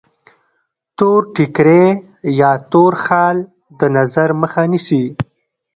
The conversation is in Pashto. تور ټیکری یا تور خال د نظر مخه نیسي.